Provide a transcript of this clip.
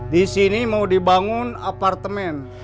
di sini mau dibangun apartemen